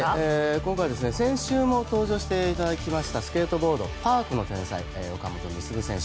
今回先週も登場していただきましたスケートボードパークの天才岡本碧優選手。